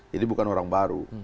jadi bukan orang baru